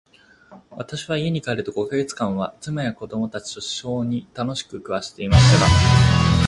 私は家に戻ると五ヵ月間は、妻や子供たちと一しょに楽しく暮していました。が、再び航海に出ることになりました。